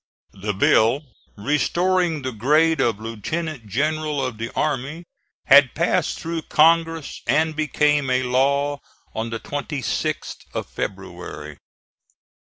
The bill restoring the grade of lieutenant general of the army had passed through Congress and became a law on the 26th of February.